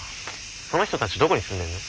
その人たちどこに住んでんの？